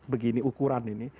dari begini ukuran ini